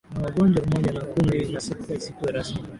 na wagonjwa pamoja na kundi na sekta isikuwa rasmi